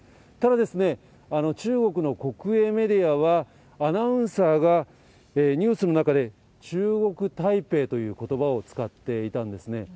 ただ、中国の国営メディアは、アナウンサーがニュースの中で、中国台北ということばを使っていたんですね。